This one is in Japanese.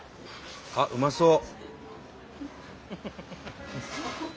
あっうまそう。